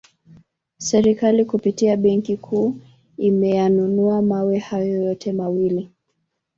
Serikali kupitia benki kuu imeyanunua mawe hayo yote mawili